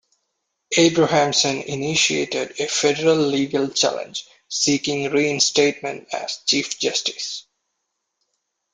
Abrahamson initiated a federal legal challenge seeking reinstatement as Chief Justice.